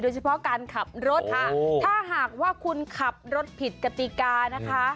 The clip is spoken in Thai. เฉพาะการขับรถค่ะถ้าหากว่าคุณขับรถผิดกติกานะคะ